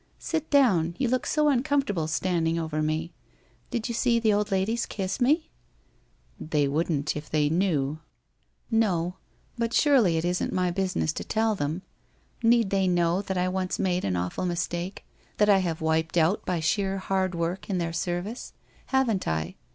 Sit down. You look so uncomfortable standing over me. Did you see the old ladies k i s me ?' 'They wouldn't if they knew.' 344 WHITE ROSE OF WEARY LEAF ' No, but surely it isn't my business to tell them. Need they know that I once made an awful mistake, that I have wiped out by sheer hard work in their service. Haven't I?